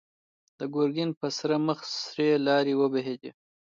د ګرګين پر سره مخ سرې لاړې وبهېدې.